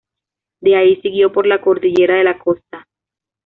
De ahí siguió por la Cordillera de la Costa.